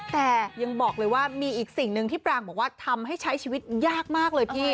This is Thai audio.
แต่ยังบอกเลยว่ามีอีกสิ่งหนึ่งที่ปรางบอกว่าทำให้ใช้ชีวิตยากมากเลยพี่